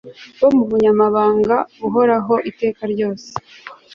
bo mu bunyamabanga buhoraho iteka ryose